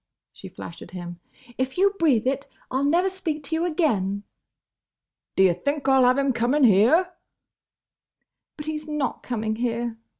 she flashed at him, "If you breathe it, I 'll never speak to you again!" "D' ye think I 'll have him coming here—?" "But he's not coming here!"